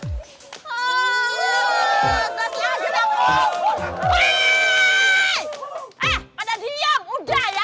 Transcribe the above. eh pada diem udah ya